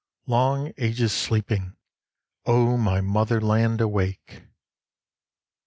long ages sleeping, O my motherland, awake!